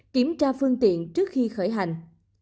kiểm tra phương tiện trước khi khởi hành